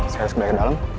saya harus ke belakang dalam